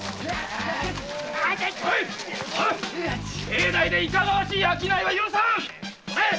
境内でいかがわしい商いは許さぬ！